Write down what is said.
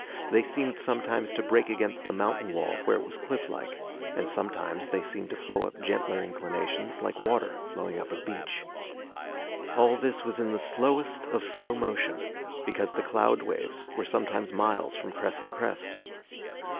They seemed sometimes to break against the mountain wall where it was cliff like, and sometimes they seemed to flow up gentler inclinations like water flowing up a beach. All this was in the slowest of slow motion, because the cloud waves were sometimes miles from crest to crest.